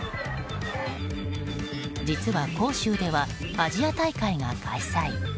実は、杭州ではアジア大会が開催。